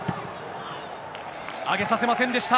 上げさせませんでした。